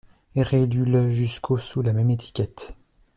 Réélu le jusqu'au sous la même étiquette.